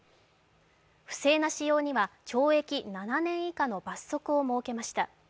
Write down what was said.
不正な使用には懲役７年以下の罰則を設けました。